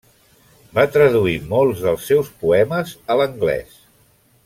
Va traduir molts dels seus poemes a l'anglès.